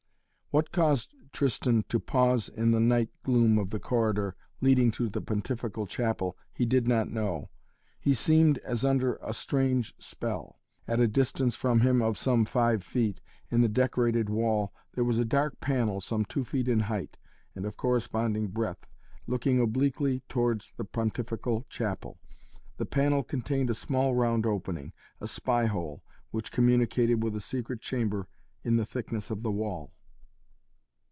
What caused Tristan to pause in the night gloom of the corridor leading to the Pontifical Chapel he did not know. He seemed as under a strange spell. At a distance from him of some five feet, in the decorated wall, there was a dark panel some two feet in height and of corresponding breadth, looking obliquely towards the Pontifical Chapel. The panel contained a small round opening, a spy hole which communicated with a secret chamber in the thickness of the wall.